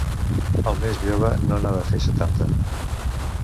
El més jove no n'ha de fer setanta.